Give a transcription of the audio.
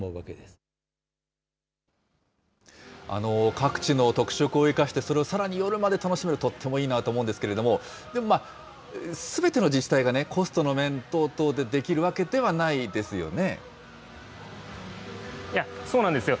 各地の特色を生かしてそれをさらに夜まで楽しめる、とってもいいなと思うんですけれども、でもすべての自治体がコストの面等々でできるわけではないですよそうなんですよ。